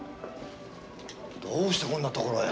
どうしてこんな所へ。